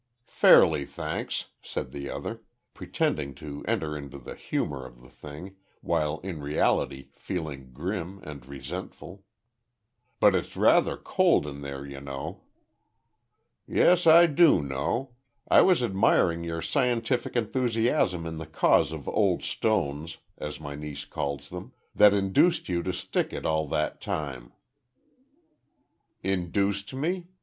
"Fairly, thanks," said the other, pretending to enter into the humour of the thing, while in reality feeling grim and resentful. "But it's rather cold in there, you know." "Yes, I do know. I was admiring your scientific enthusiasm in the cause of `old stones,' as my niece calls them, that induced you to stick it all that time." "Induced me?